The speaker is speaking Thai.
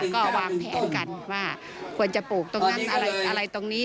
ก็วางแผนกันว่าควรจะปลูกตรงนั้นอะไรตรงนี้